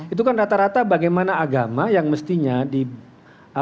itu kan rata rata bagaimana agama yang mestinya di apa dijadikan